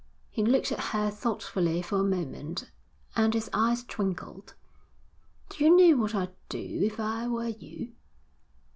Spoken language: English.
He looked at her thoughtfully for a moment, and his eyes twinkled. 'Do you know what I'd do if I were you?'